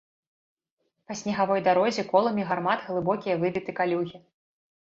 Па снегавой дарозе коламі гармат глыбокія выбіты калюгі.